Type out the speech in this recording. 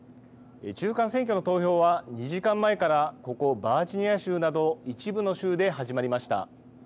中間選挙の投票は２時間前からここバージニア州など一部の州で始まりました。